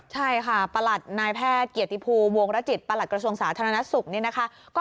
ใช่ค่ะปรัตนายแพทย์เกลียดทัยผูลวงรจิตปราตกระทรวงสาธารณสุข